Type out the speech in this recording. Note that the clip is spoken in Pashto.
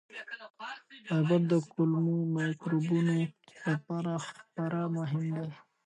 فایبر د کولمو مایکروبونو لپاره خورا مهم دی.